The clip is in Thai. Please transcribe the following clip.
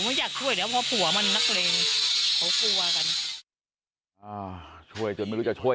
ไม่อยากช่วยแล้วเพราะผัวมันนักเลงช่วยจนไม่รู้จะช่วย